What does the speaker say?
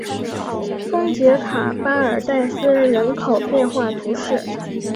丰捷卡巴尔代斯人口变化图示